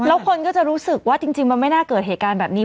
แล้วคนก็จะรู้สึกว่าจริงมันไม่น่าเกิดเหตุการณ์แบบนี้